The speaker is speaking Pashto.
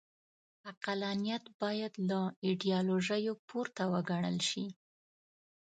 عقلانیت باید له ایډیالوژیو پورته وګڼل شي.